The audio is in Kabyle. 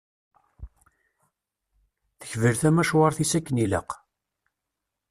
Tekbel tamacwart-is akken ilaq.